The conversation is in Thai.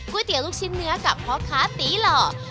เตี๋ยวลูกชิ้นเนื้อกับพ่อค้าตีหล่อ